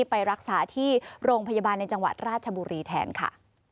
ไปรักษาที่โรงพยาบาลในจังหวัดราชบุรีแทนค่ะ